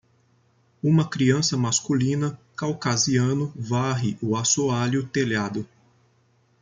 Uma criança masculina caucasiano varre o assoalho telhado.